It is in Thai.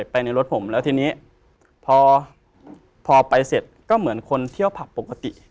ไปในรถผมแล้วทีนี้พอพอไปเสร็จก็เหมือนคนเที่ยวผับปกติ